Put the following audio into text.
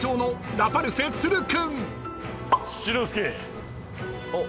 ラパルフェ都留君］